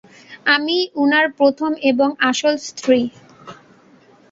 আমি- ই উনার প্রথম এবং আসল স্ত্রী।